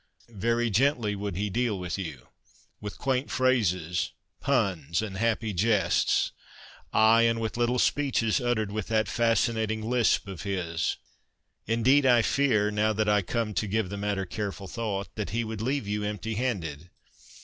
Very gently would he deal with you, with quaint phrases, puns, and happy jests. Aye, and with little speeches uttered with that fascinating lisp of his. Indeed, I ' THE CULT OF THE BOOKPLATE ' 83 fear, now that I come to give the matter careful thought, that he would leave you empty handed.